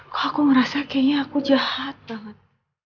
kok aku merasa kayaknya aku jahat banget